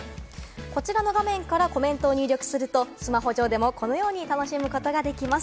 こちらの画面からコメントを入力すると、スマホ上でもこのように楽しむことができます。